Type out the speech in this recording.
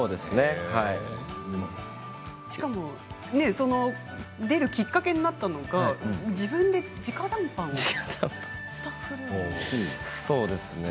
しかも出るきっかけになったのが自分でじか談判されたということですね